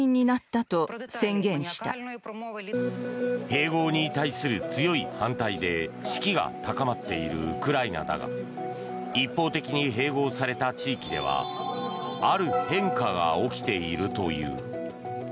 併合に対する強い反対で士気が高まっているウクライナだが一方的に併合された地域ではある変化が起きているという。